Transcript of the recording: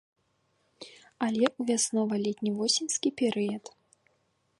Але ў вяснова-летні-восеньскі перыяд.